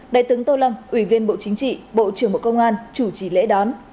đại tướng tô lâm ủy viên bộ chính trị bộ trưởng bộ công an chủ trì lễ đón